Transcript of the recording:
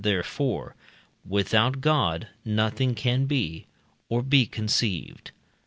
therefore, without God nothing can be, or be conceived.